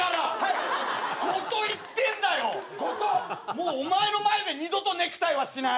もうお前の前で二度とネクタイはしない。